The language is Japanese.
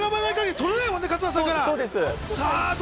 取れないもんね、勝俣さんから。